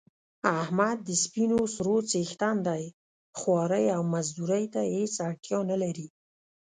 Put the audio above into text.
احمد د سپینو سرو څښتن دی خوارۍ او مزدورۍ ته هېڅ اړتیا نه لري.